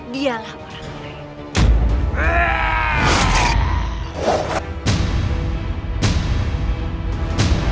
dialah orang lain